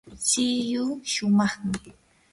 shilluu shumaqmi.